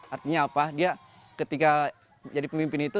artinya apa dia ketika jadi pemimpin itu